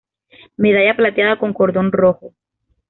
Medalla plateada con cordón rojo.